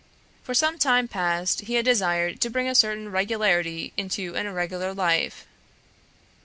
For some time past he had desired to bring a certain regularity into an irregular life.